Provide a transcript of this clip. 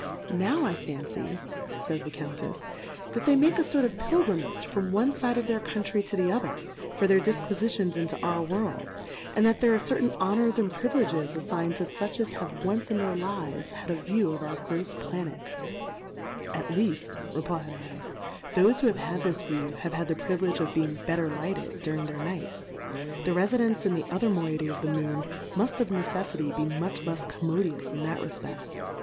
Now I fancy, Jays the Count efs^ that they make a fort of Pil grimage from one Side of their Coun try to the other, for their Difquifitions into our World, and that there are cer tain Honours and Priviledges ailign'd to fuch, as have once in their Lives had a View of our grofs Planet, At leaft, reflfd 7, thofe who have had this View have had the Priv Hedge of being better lighted, during their Nights, the Refi dence in the other Moiety of the Moon muft of Neceffity be much lefs com modious in that Refpeft.